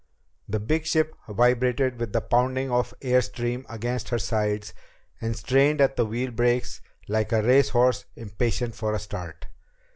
The big ship vibrated with the pounding of the air stream against her sides and strained at the wheel brakes like a race horse impatient for the start.